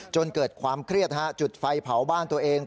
จนเกิดความเครียดจุดไฟเผาบ้านตัวเอง